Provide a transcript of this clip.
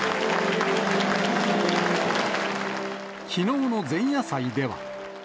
きのうの前夜祭では。